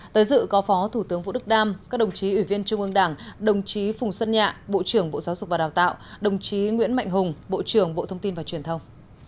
tới dự có phó thủ tướng vũ đức đam các đồng chí ủy viên trung ương đảng đồng chí phùng xuân nhạ bộ trưởng bộ giáo dục và đào tạo đồng chí nguyễn mạnh hùng bộ trưởng bộ thông tin và truyền thông